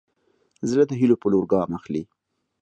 زړه د هيلو په لور ګام اخلي.